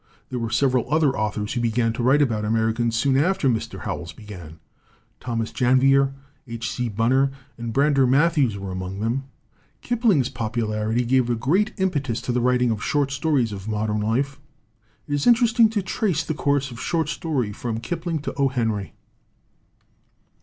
There were several other authors who began to write about Americans soon after Mr. Howells began Thomas Janvier, H. C. Bunner, and Brander Matthews were among them. "Kipling's popularity gave a great impetus to the writing of short stories of modern life. It is interesting to trace the course of the short story from Kipling to O. Henry.